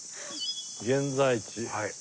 現在地。